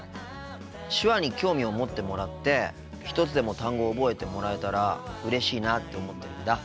手話に興味を持ってもらって一つでも単語を覚えてもらえたらうれしいなって思ってるんだ。